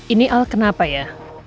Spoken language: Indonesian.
ini al kenapa ya